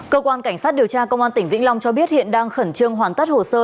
cơ quan cảnh sát điều tra công an tỉnh vĩnh long cho biết hiện đang khẩn trương hoàn tất hồ sơ